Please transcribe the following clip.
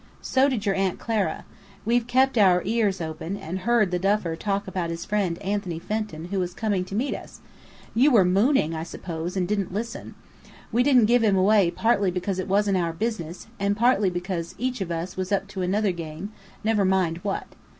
So did your Aunt Clara. We'd kept our ears open, and heard the Duffer talk about his friend Anthony Fenton who was coming to meet us. You were mooning I suppose, and didn't listen. We didn't give him away partly because it wasn't our business, and partly because each of us was up to another game, never mind what.